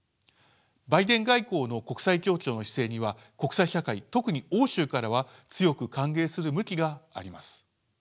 バイデン外交の国際協調の姿勢には国際社会特に欧州からは強く歓迎する向きがあります。